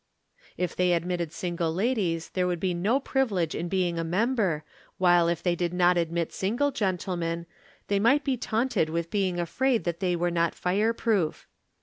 If they admitted single ladies there would be no privilege in being a member, while if they did not admit single gentlemen, they might be taunted with being afraid that they were not fireproof.